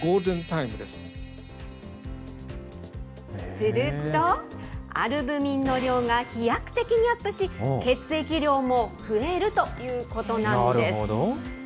すると、アルブミンの量が飛躍的にアップし、血液量も増えるということななるほど。